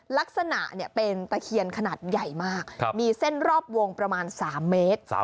ลักษณะเป็นตะเคียนขนาดใหญ่มากมีเส้นรอบวงประมาณ๓เมตร